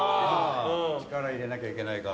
力入れなきゃいけないから。